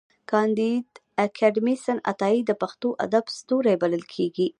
کانديد اکاډميسن عطايي د پښتو ادب ستوری بلل کېږي.